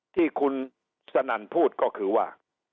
ที่คุณสนั่นพูดก็คือว่า